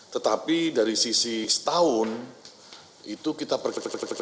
tetapi dari sisi setahun itu kita pergeser